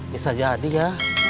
bisa jadi ya